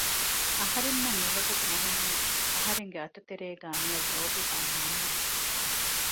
އަހަރެންނަށް މިވަގުތު މުހިއްމީ އަހަރެންގެ އަތުތެރޭގައި މިއޮތް ލޯބިވާ މަންމަ